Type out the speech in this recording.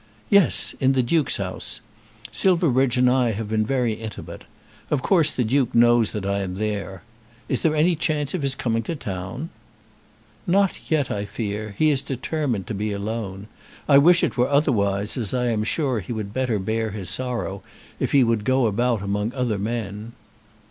"Yes; in the Duke's house. Silverbridge and I have been very intimate. Of course the Duke knows that I am there. Is there any chance of his coming to town?" "Not yet, I fear. He is determined to be alone. I wish it were otherwise, as I am sure he would better bear his sorrow, if he would go about among other men."